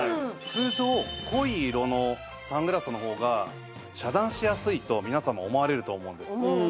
通常濃い色のサングラスの方が遮断しやすいと皆様思われると思うんです。